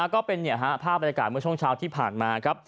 ก็เป็นภาพบรรยากาศเมื่อช่วงเช้าที่ผ่านมาครับ